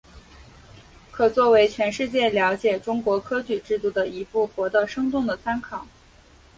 可作为全世界了解中国科举制度的一部活的生动的参考。